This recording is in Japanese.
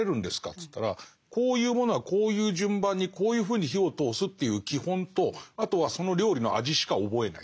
っつったら「こういうものはこういう順番にこういうふうに火を通すっていう基本とあとはその料理の味しか覚えない。